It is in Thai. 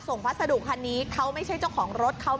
อันดับสุดท้ายก็คืออันดับสุดท้าย